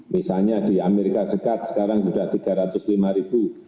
misalnya di amerika serikat sekarang sudah tiga ratus lima ribu